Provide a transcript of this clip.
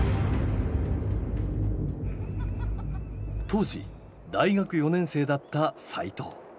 当時大学４年生だった齋藤。